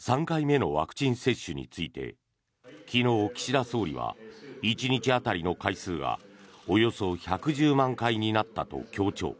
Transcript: ３回目のワクチン接種について昨日、岸田総理は１日当たりの回数がおよそ１１０万回になったと強調。